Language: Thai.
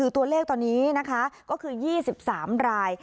ตัวเลขตอนนี้นะคะก็คือ๒๓ราย